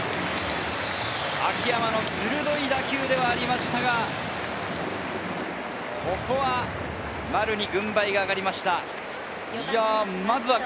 秋山の鋭い打球でしたが、ここは丸に軍配が上がりました。